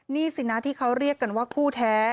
นี่สินะที่เขาเรียกกันว่าคู่แท้